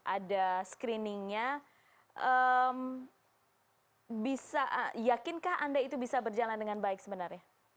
ada screeningnya bisa yakinkah anda itu bisa berjalan dengan baik sebenarnya